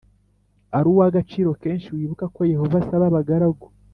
ari uw agaciro kenshi wibuka ko Yehova asaba abagaragu